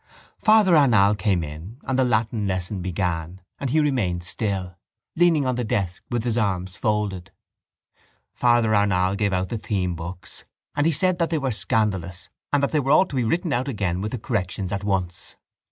Father Arnall came in and the Latin lesson began and he remained still leaning on the desk with his arms folded. Father Arnall gave out the themebooks and he said that they were scandalous and that they were all to be written out again with the corrections at once.